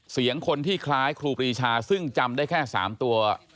เสียงคนที่คล้ายครูปรีชาซึ่งจำได้แค่๓ตัว